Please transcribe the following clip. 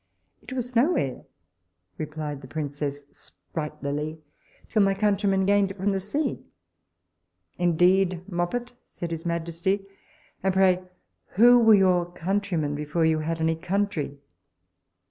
It was no where, replied the princess, spritelily, till my countrymen gained it from the sea Indeed, moppet! said his majesty; and pray who were your countrymen, before you had any country?